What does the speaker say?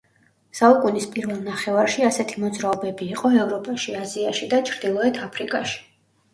საუკუნის პირველ ნახევარში ასეთი მოძრაობები იყო ევროპაში, აზიაში და ჩრდილოეთ აფრიკაში.